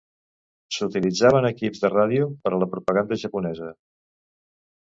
S'utilitzaven equips de ràdio per a la propaganda japonesa.